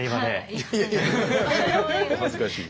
いやいやいやお恥ずかしい。